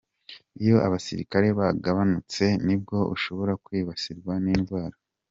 Iyo abasirikare bagabanutse, nibwo ushobora kwibasirwa n’indwara.